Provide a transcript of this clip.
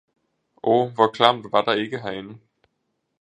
oh hvor kvalmt var der ikke herinde!